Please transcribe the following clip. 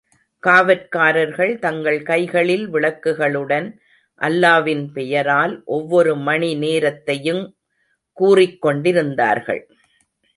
காவற்காரர்கள் தங்கள் கைகளில் விளக்குகளுடன் அல்லாவின் பெயரால் ஒவ்வொரு மணி நேரத்தையும் கூறிக் கொண்டிருந்தார்கள்.